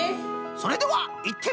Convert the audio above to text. それではいってみよう！